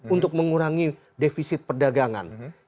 untuk mengurangi defisit perdagangan